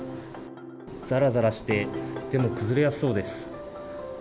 ざらざらして、でも崩れやすそうです。